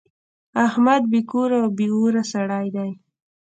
احمد بې کوره او بې اوره سړی دی.